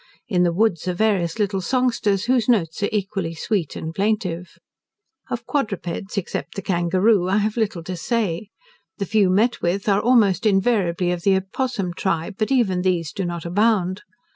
In the woods are various little songsters, whose notes are equally sweet and plaintive. Of quadrupeds, except the kangaroo, I have little to say. The few met with are almost invariably of the opossum tribe, but even these do not abound.